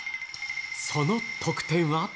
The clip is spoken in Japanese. その得点は。